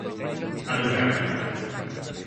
E non quere.